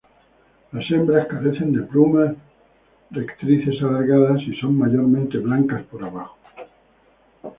Las hembras carecen de plumas rectrices alargadas, y son mayormente blancas por abajo.